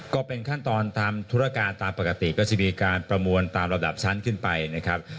ก็เป็นขั้นตอนตามธุรการตามปกติก็จะมีการประมวลตามระดับชั้นขึ้นไปนะครับ